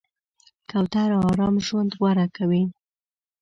کوتره آرام ژوند غوره کوي.